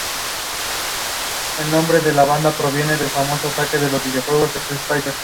El costo de crear múltiples traducciones lo hacía muy prohibitivo.